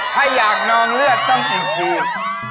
ถ้าอยากนองเลือดต้องติดทีม